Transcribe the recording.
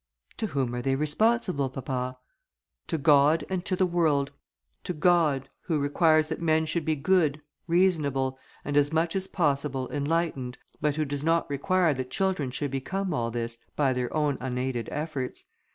"To whom are they responsible, papa?" "To God and to the world. To God, who requires that men should be good, reasonable, and as much as possible enlightened, but who does not require that children should become all this, by their own unaided efforts.